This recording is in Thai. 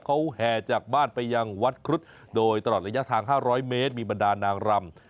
เขาแห่จากบ้านไปยังวัดครุฑโดยตลอดระยะทาง๕๐๐เมตรมีบรรดานางรำ